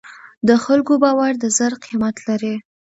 د خلکو باور د زر قیمت لري.